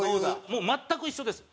もう全く一緒です。